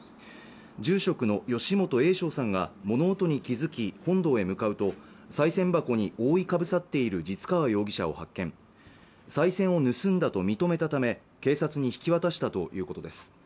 住職の吉本栄昶さんが物音に気づき本堂へ向かうとさい銭箱に覆いかぶさっている実川容疑者を発見さい銭を盗んだと認めたため警察に引き渡したということです